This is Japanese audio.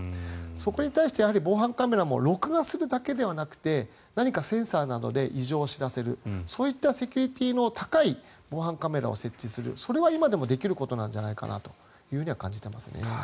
そこに対して防犯カメラも録画するだけではなくて何かセンサーなどで異常を知らせるそういったセキュリティーの高い防犯カメラを設置するそれは今もできることなんじゃないかと感じています。